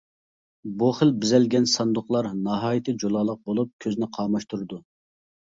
بۇ خىل بېزەلگەن ساندۇقلار ناھايىتى جۇلالىق بولۇپ كۆزنى قاماشتۇرىدۇ.